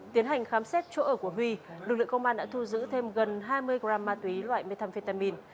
tiến hành khám xét chỗ ở của huy lực lượng công an đã thu giữ thêm gần hai mươi gram ma túy loại methamphetamin